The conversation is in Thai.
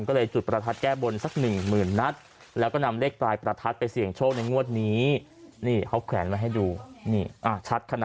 ก็เลยจุดประทัดแก้บนสักหนึ่งหมื่นนัด